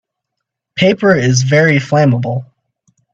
Paper is very flammable.